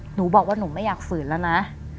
หนูบอกว่าหนูไม่อยากฝืนแล้วนะ